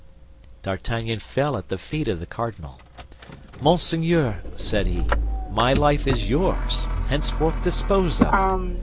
D'Artagnan fell at the feet of the cardinal. "Monseigneur," said he, "my life is yours; henceforth dispose of it.